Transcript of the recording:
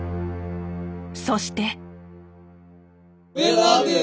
そして。